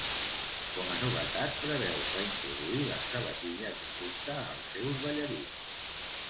Com a novetat preveu reintroduir les sabatilles de punta als seus ballarins.